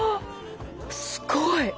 すごい！